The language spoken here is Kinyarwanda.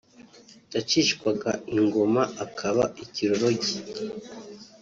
yacishwaga ingoma akaba ikiroroge